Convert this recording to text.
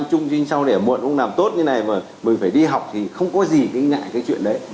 trung trinh sau đẻ muộn cũng làm tốt như này mà mình phải đi học thì không có gì ngại cái chuyện đấy